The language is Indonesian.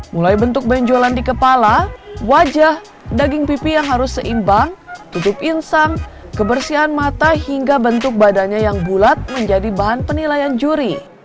mulai bentuk benjolan di kepala wajah daging pipi yang harus seimbang tutup insang kebersihan mata hingga bentuk badannya yang bulat menjadi bahan penilaian juri